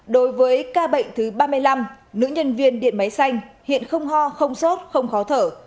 đối với ca bệnh thứ ba mươi năm nữ nhân viên điện máy xanh hiện không ho không sốt không khó thở